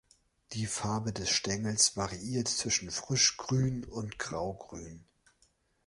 Die Farbe des Stängels variiert zwischen frischgrün und graugrün.